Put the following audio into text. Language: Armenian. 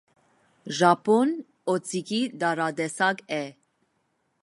Ժաբոն օձիքի տարատեսակ է։